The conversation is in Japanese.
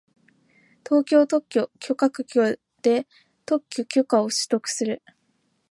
東京特許許可局で特許許可を取得する